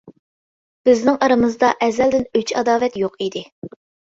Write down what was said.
بىزنىڭ ئارىمىزدا ئەزەلدىن ئۆچ-ئاداۋەت يوق ئىدى!